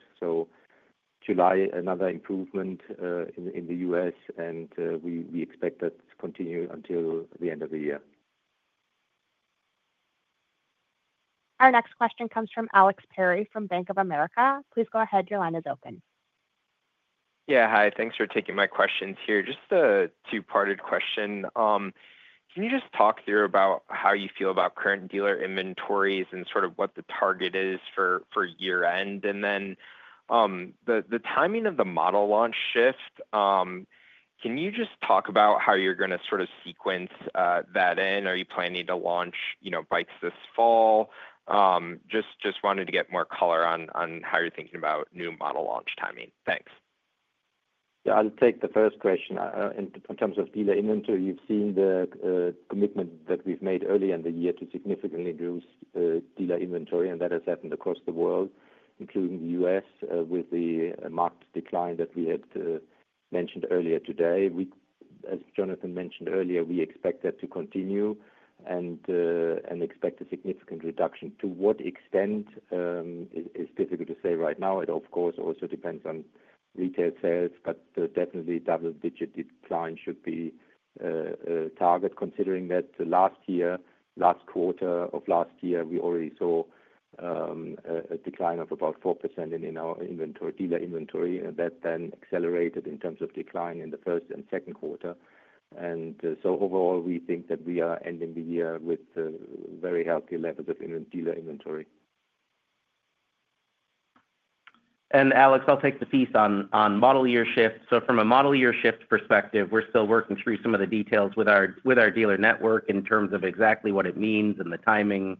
July, another improvement in the U.S., and we expect that to continue until the end of the year. Our next question comes from Alexander Thomas Perry from Bank of America. Please go ahead. Your line is open. Yeah. Hi. Thanks for taking my questions here. Just a two-parted question. Can you talk through how you feel about current dealer inventories and what the target is for year-end? The timing of the model launch shift, can you talk about how you're going to sort of sequence that in? Are you planning to launch, you know, bikes this fall? Just wanted to get more color on how you're thinking about new model launch timing. Thanks. Yeah. I'll take the first question. In terms of dealer inventory, you've seen the commitment that we've made early in the year to significantly reduce dealer inventory, and that has happened across the world, including the U.S., with the marked decline that we had mentioned earlier today. As Jonathan mentioned earlier, we expect that to continue and expect a significant reduction. To what extent is difficult to say right now. It, of course, also depends on retail sales, but definitely a double-digit decline should be a target, considering that last year, last quarter of last year, we already saw a decline of about 4% in our dealer inventory. That then accelerated in terms of decline in the first and second quarter. Overall, we think that we are ending the year with very healthy levels of dealer inventory. Alex, I'll take the piece on model year shift. From a model year shift perspective, we're still working through some of the details with our dealer network in terms of exactly what it means and the timing.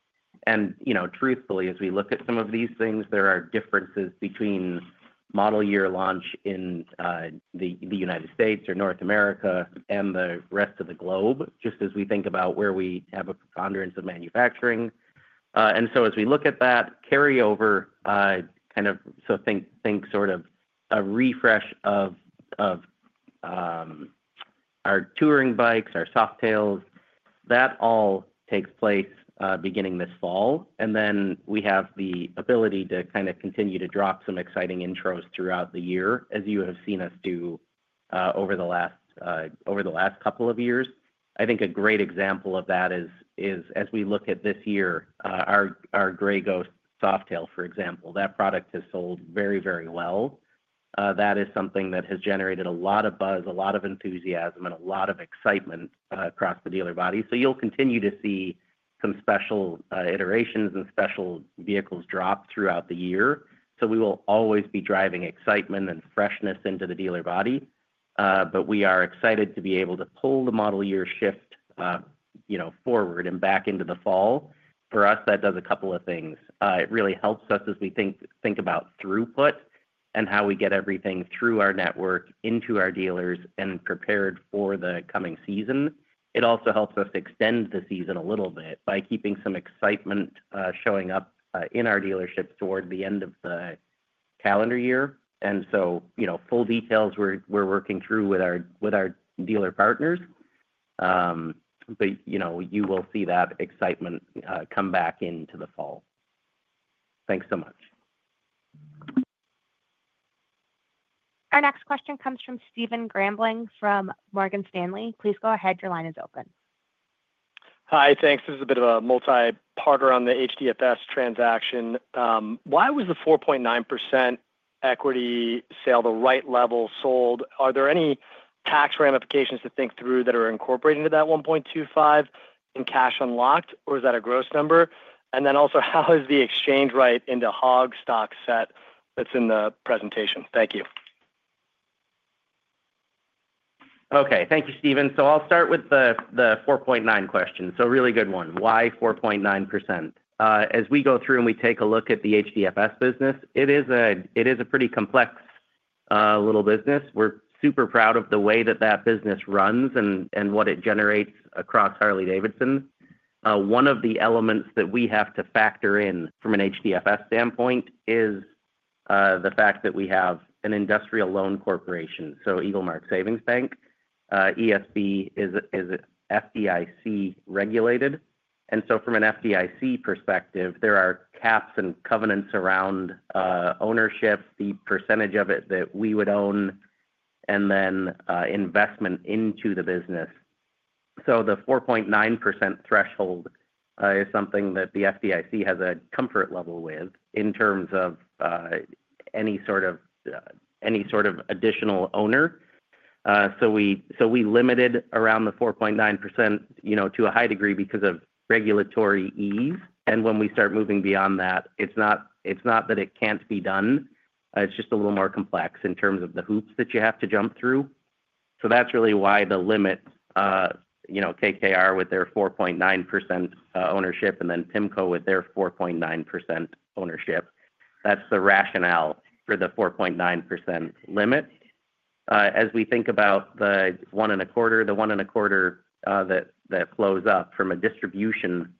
Truthfully, as we look at some of these things, there are differences between model year launch in the United States or North America and the rest of the globe, just as we think about where we have a preponderance of manufacturing. As we look at that carryover, think sort of a refresh of our Touring motorcycles, our Softail lineup, that all takes place beginning this fall. We have the ability to continue to drop some exciting intros throughout the year, as you have seen us do over the last couple of years. I think a great example of that is, as we look at this year, our Grey Ghost Softail, for example, that product has sold very, very well. That is something that has generated a lot of buzz, a lot of enthusiasm, and a lot of excitement across the dealer body. You'll continue to see some special iterations and special vehicles drop throughout the year. We will always be driving excitement and freshness into the dealer body. We are excited to be able to pull the model year shift forward and back into the fall. For us, that does a couple of things. It really helps us as we think about throughput and how we get everything through our network into our dealers and prepared for the coming season. It also helps us extend the season a little bit by keeping some excitement showing up in our dealership toward the end of the calendar year. Full details we're working through with our dealer partners. You will see that excitement come back into the fall. Thanks so much. Our next question comes from Stephen White Grambling from Morgan Stanley. Please go ahead. Your line is open. Hi. Thanks. This is a bit of a multi-parter on the HDFS transaction. Why was the 4.9% equity sale the right level sold? Are there any tax ramifications to think through that are incorporated into that $1.25 billion in cash unlocked, or is that a gross number? Also, how is the exchange rate into HOG stock set that's in the presentation? Thank you. Okay. Thank you, Stephen. I'll start with the 4.9% question. A really good one. Why 4.9%? As we go through and we take a look at the HDFS business, it is a pretty complex little business. We're super proud of the way that that business runs and what it generates across Harley-Davidson. One of the elements that we have to factor in from an HDFS standpoint is the fact that we have an industrial loan corporation, so Eaglemark Savings Bank. ESB is FDIC regulated. From an FDIC perspective, there are caps and covenants around ownership, the percentage of it that we would own, and then investment into the business. The 4.9% threshold is something that the FDIC has a comfort level with in terms of any sort of additional owner. We limited around the 4.9% to a high degree because of regulatory ease. When we start moving beyond that, it's not that it can't be done. It's just a little more complex in terms of the hoops that you have to jump through. That's really why the limit, you know, KKR with their 4.9% ownership and then PIMCO with their 4.9% ownership, that's the rationale for the 4.9% limit. As we think about the one and a quarter, the one and a quarter that flows up from a distribution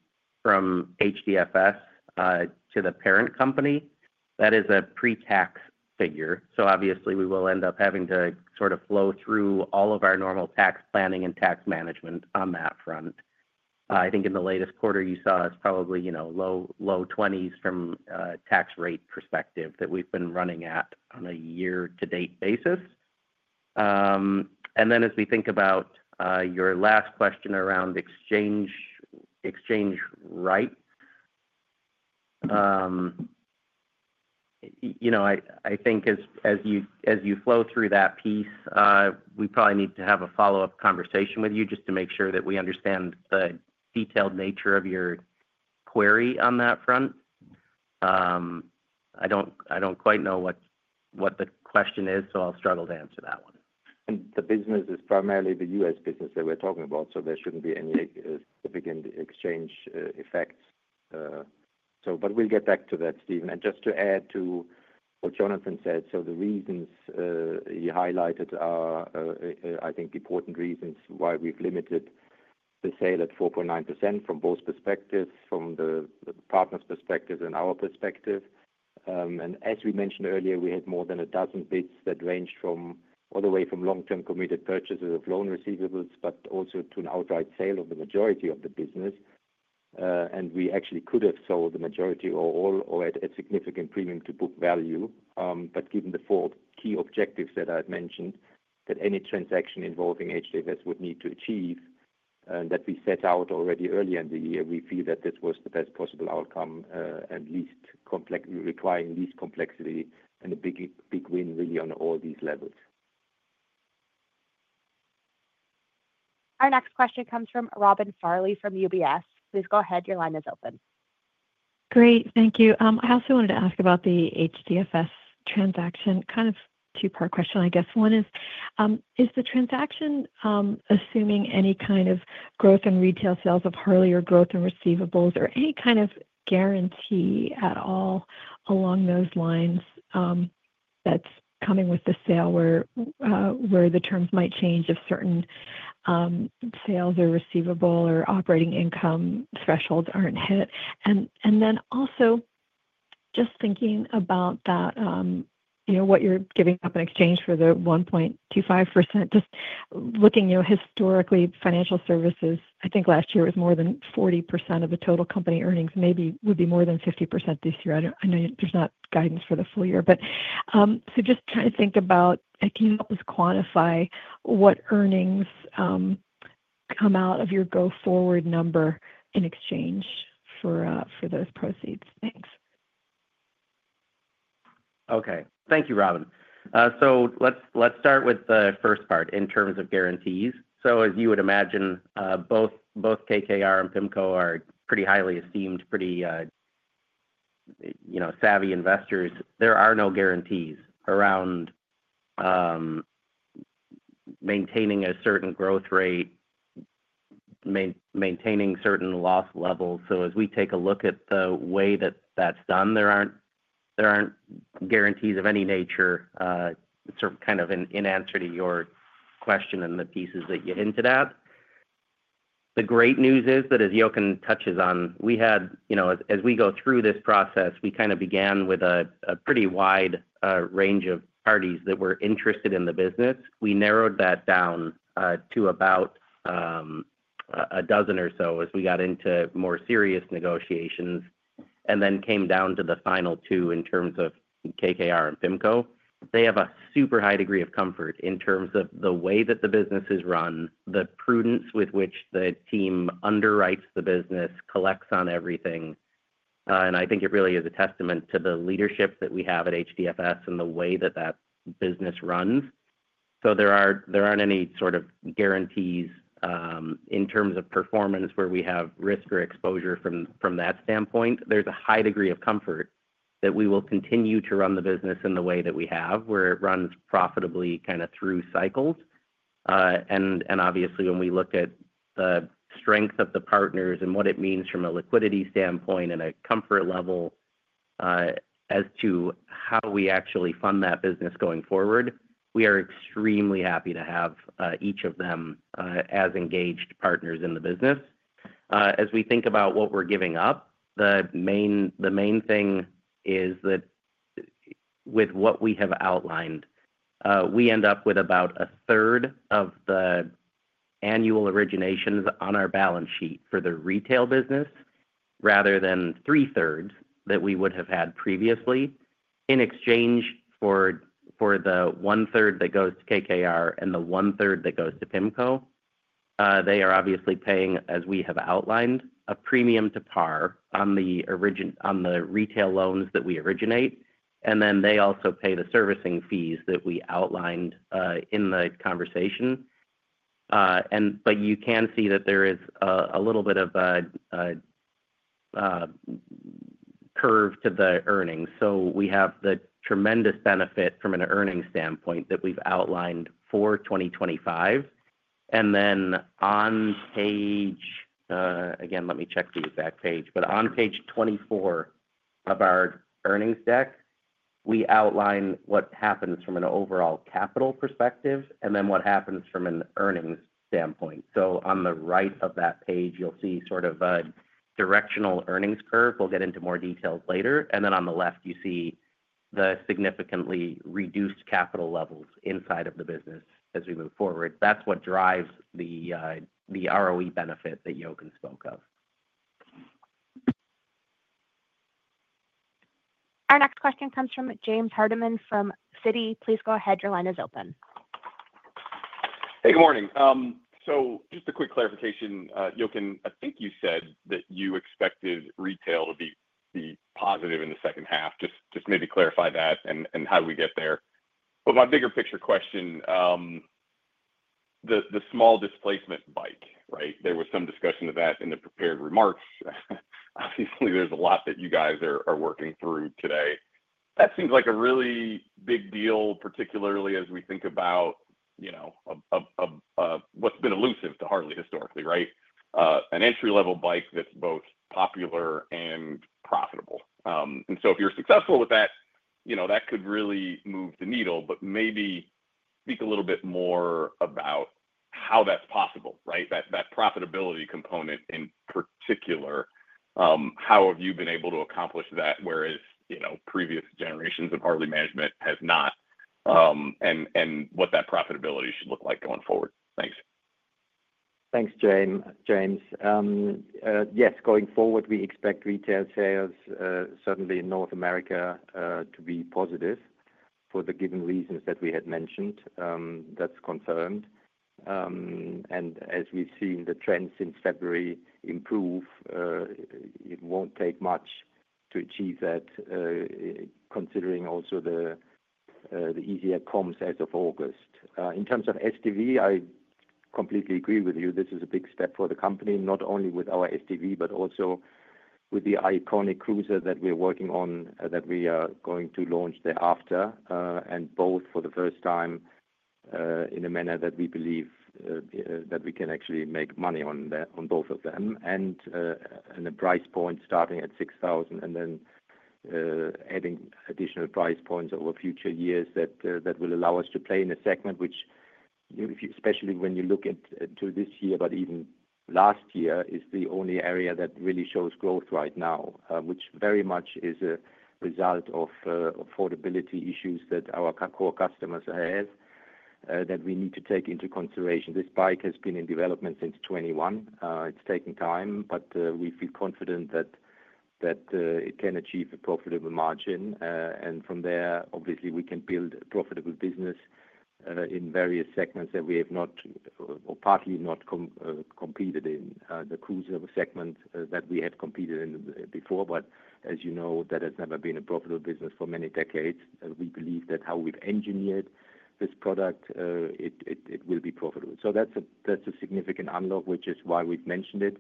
from HDFS to the parent company, that is a pre-tax figure. Obviously, we will end up having to sort of flow through all of our normal tax planning and tax management on that front. I think in the latest quarter, you saw us probably, you know, low 20s from a tax rate perspective that we've been running at on a year-to-date basis. As we think about your last question around exchange rate, I think as you flow through that piece, we probably need to have a follow-up conversation with you just to make sure that we understand the detailed nature of your query on that front. I don't quite know what the question is, so I'll struggle to answer that one. The business is primarily the U.S. business that we're talking about, so there shouldn't be any significant exchange effects. We'll get back to that, Stephen. Just to add to what Jonathan said, the reasons you highlighted are, I think, important reasons why we've limited the sale at 4.9% from both perspectives, from the partner's perspective and our perspective. As we mentioned earlier, we had more than a dozen bids that ranged all the way from long-term committed purchases of loan receivables to an outright sale of the majority of the business. We actually could have sold the majority or all at a significant premium to book value. Given the four key objectives that I had mentioned that any transaction involving HDFS would need to achieve and that we set out already earlier in the year, we feel that this was the best possible outcome and requiring least complexity and a big win, really, on all these levels. Our next question comes from Robin Margaret Farley from UBS. Please go ahead. Your line is open. Great. Thank you. I also wanted to ask about the HDFS transaction. Kind of two-part question, I guess. One is, is the transaction assuming any kind of growth in retail sales of Harley or growth in receivables, or any kind of guarantee at all along those lines that's coming with the sale where the terms might change if certain sales or receivable or operating income thresholds aren't hit? Also, just thinking about that, what you're giving up in exchange for the 1.25%, just looking, historically, financial services, I think last year it was more than 40% of the total company earnings. Maybe it would be more than 50% this year. I know there's not guidance for the full year. Just trying to think about, can you help us quantify what earnings come out of your go-forward number in exchange for those proceeds? Thanks. Okay. Thank you, Robin. Let's start with the first part in terms of guarantees. As you would imagine, both KKR and PIMCO are pretty highly esteemed, pretty savvy investors. There are no guarantees around maintaining a certain growth rate, maintaining certain loss levels. As we take a look at the way that that's done, there aren't guarantees of any nature, kind of in answer to your question and the pieces that you hinted at. The great news is that, as Jochen touches on, as we go through this process, we kind of began with a pretty wide range of parties that were interested in the business. We narrowed that down to about a dozen or so as we got into more serious negotiations and then came down to the final two in terms of KKR and PIMCO. They have a super high degree of comfort in terms of the way that the business is run, the prudence with which the team underwrites the business, collects on everything. I think it really is a testament to the leadership that we have at HDFS and the way that that business runs. There aren't any sort of guarantees in terms of performance where we have risk or exposure from that standpoint. There's a high degree of comfort that we will continue to run the business in the way that we have, where it runs profitably through cycles. Obviously, when we look at the strength of the partners and what it means from a liquidity standpoint and a comfort level as to how we actually fund that business going forward, we are extremely happy to have each of them as engaged partners in the business. As we think about what we're giving up, the main thing is that with what we have outlined, we end up with about a third of the annual originations on our balance sheet for the retail business rather than three-thirds that we would have had previously. In exchange for the one-third that goes to KKR and the one-third that goes to PIMCO, they are obviously paying, as we have outlined, a premium to par on the retail loans that we originate. They also pay the servicing fees that we outlined in the conversation. You can see that there is a little bit of a curve to the earnings. We have the tremendous benefit from an earnings standpoint that we've outlined for 2025. On page again, let me check the exact page. On page 24 of our earnings deck, we outline what happens from an overall capital perspective and then what happens from an earnings standpoint. On the right of that page, you'll see sort of a directional earnings curve. We'll get into more details later. On the left, you see the significantly reduced capital levels inside of the business as we move forward. That's what drives the ROE benefit that Jochen spoke of. Our next question comes from James Lloyd Hardiman from Citi. Please go ahead. Your line is open. Hey, good morning. Just a quick clarification, Jochen, I think you said that you expected retail to be positive in the second half. Could you clarify that and how do we get there? My bigger picture question, the small displacement bike, right? There was some discussion of that in the prepared remarks. Obviously, there's a lot that you guys are working through today. That seems like a really big deal, particularly as we think about what's been elusive to Harley-Davidson historically, right? An entry-level bike that's both popular and profitable. If you're successful with that, that could really move the needle. Maybe speak a little bit more about how that's possible, that profitability component in particular, how have you been able to accomplish that, whereas previous generations of Harley-Davidson management have not, and what that profitability should look like going forward. Thanks. Thanks, James. Yes, going forward, we expect retail sales certainly in North America to be positive for the given reasons that we had mentioned. That's concerned. As we've seen the trends since February improve, it won't take much to achieve that, considering also the easier comps as of August. In terms of STV, I completely agree with you. This is a big step for the company, not only with our STV, but also with the iconic cruiser that we're working on, that we are going to launch thereafter, and both for the first time in a manner that we believe that we can actually make money on both of them. A price point starting at $6,000 and then adding additional price points over future years will allow us to play in a segment which, especially when you look at this year, but even last year, is the only area that really shows growth right now, which very much is a result of affordability issues that our core customers have that we need to take into consideration. This bike has been in development since 2021. It's taken time, but we feel confident that it can achieve a profitable margin. From there, obviously, we can build a profitable business in various segments that we have not or partly not competed in. The cruiser segment that we have competed in before, but as you know, that has never been a profitable business for many decades. We believe that how we've engineered this product, it will be profitable. That's a significant unlock, which is why we've mentioned it.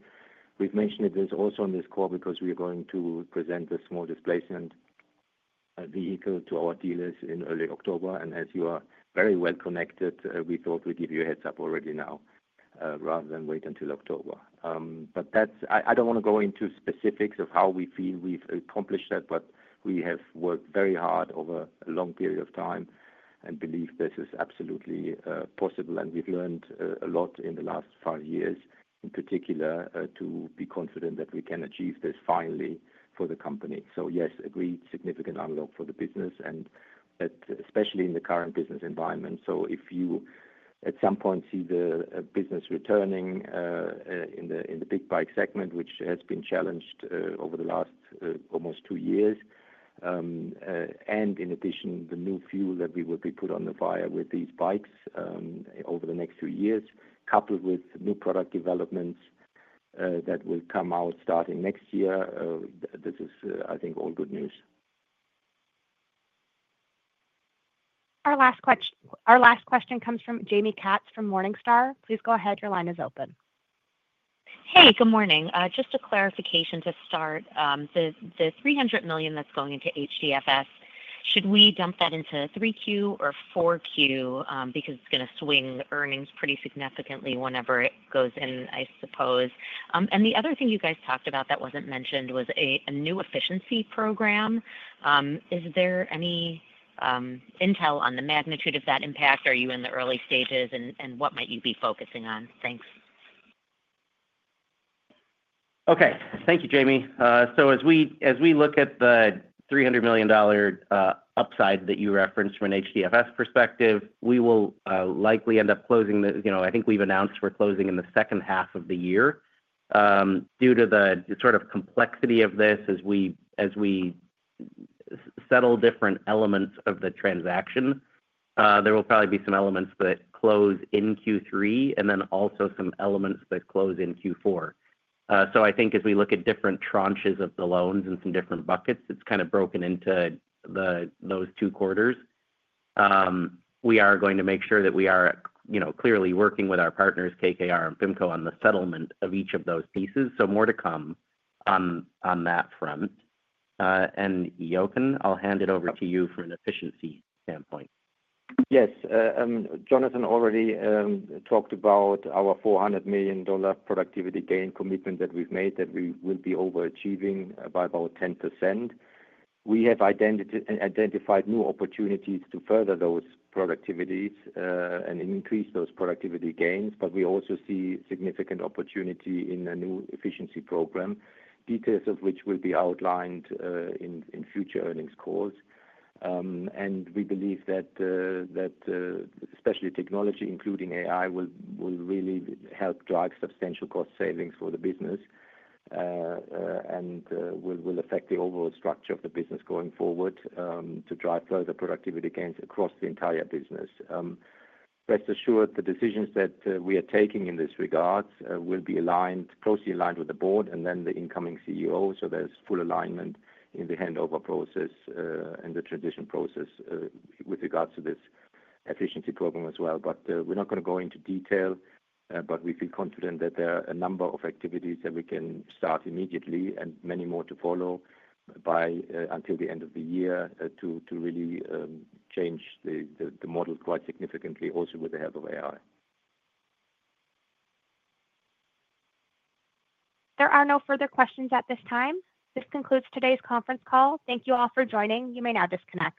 We've mentioned it also in this call because we are going to present the small displacement vehicle to our dealers in early October. As you are very well connected, we thought we'd give you a heads up already now rather than wait until October. I don't want to go into specifics of how we feel we've accomplished that, but we have worked very hard over a long period of time and believe this is absolutely possible. We've learned a lot in the last five years, in particular, to be confident that we can achieve this finally for the company. Yes, agreed, significant unlock for the business, and especially in the current business environment. If you at some point see the business returning in the big bike segment, which has been challenged over the last almost two years, and in addition, the new fuel that we will be put on the fire with these bikes over the next few years, coupled with new product developments that will come out starting next year, this is, I think, all good news. Our last question comes from Jaime Katz from Morningstar. Please go ahead. Your line is open. Hey, good morning. Just a clarification to start. The $300 million that's going into HDFS, should we dump that into 3Q or 4Q because it's going to swing earnings pretty significantly whenever it goes in, I suppose? The other thing you guys talked about that wasn't mentioned was a new efficiency program. Is there any intel on the magnitude of that impact? Are you in the early stages, and what might you be focusing on? Thanks. Okay. Thank you, Jaime. As we look at the $300 million upside that you referenced from an HDFS perspective, we will likely end up closing the, I think we've announced we're closing in the second half of the year. Due to the sort of complexity of this, as we settle different elements of the transaction, there will probably be some elements that close in Q3 and also some elements that close in Q4. As we look at different tranches of the loans and some different buckets, it's kind of broken into those two quarters. We are going to make sure that we are clearly working with our partners, KKR and PIMCO, on the settlement of each of those pieces. More to come on that front. Jochen, I'll hand it over to you from an efficiency standpoint. Yes. Jonathan already talked about our $400 million productivity gain commitment that we've made that we will be overachieving by about 10%. We have identified new opportunities to further those productivities and increase those productivity gains, but we also see significant opportunity in a new efficiency program, details of which will be outlined in future earnings calls. We believe that especially technology, including AI, will really help drive substantial cost savings for the business and will affect the overall structure of the business going forward to drive further productivity gains across the entire business. Rest assured, the decisions that we are taking in this regard will be aligned, closely aligned with the board and then the incoming CEO. There's full alignment in the handover process and the transition process with regards to this efficiency program as well. We're not going to go into detail, but we feel confident that there are a number of activities that we can start immediately and many more to follow until the end of the year to really change the model quite significantly, also with the help of AI. There are no further questions at this time. This concludes today's conference call. Thank you all for joining. You may now disconnect.